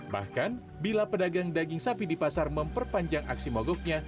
bahkan bila pedagang daging sapi di pasar memperpanjang aksi mogoknya